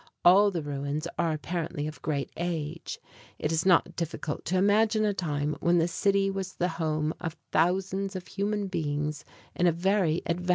All the ruins are apparently of great age. It is not difficult to imagine a time when the city was the home of thousands of human beings in a very advanced stage of civilization.